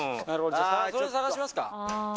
それ探しますか。